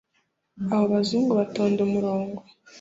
abo bazungu batonda umurongo